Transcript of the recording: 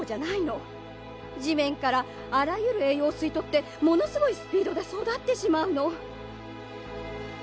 じめんからあらゆるえいようをすいとってものすごいスピードでそだってしまうの。